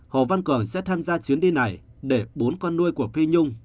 hồ văn cường sẽ tham gia chuyến đi này để bốn con nuôi của cây nhung